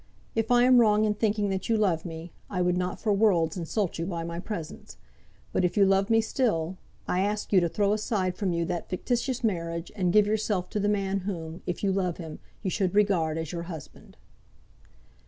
If I am wrong in thinking that you love me, I would not for worlds insult you by my presence; but if you love me still, I ask you to throw aside from you that fictitious marriage, and give yourself to the man whom, if you love him, you should regard as your husband."